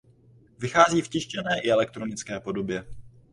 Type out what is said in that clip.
Vychází v tištěné i elektronické podobě.